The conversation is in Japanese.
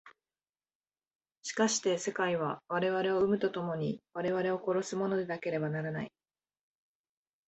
しかして世界は我々を生むと共に我々を殺すものでなければならない。